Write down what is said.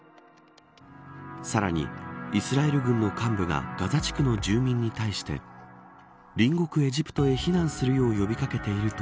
さらに、イスラエル軍の幹部がガザ地区の住民に対して隣国、エジプトへ避難するよう呼び掛けていると